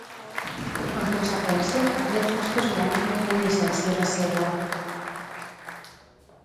En conseqüència, aquests jocs casolans no tenen llicència de Sega.